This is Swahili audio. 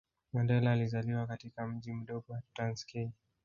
Mandela alizaliwa katika mji mdogo wa Transkei